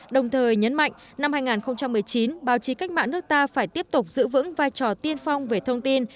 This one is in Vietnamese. đồng thời nhấn mạnh năm hai nghìn một mươi chín báo chí cách mạng nước ta phải tiếp tục giữ vững vai trò tiên phong về thông tin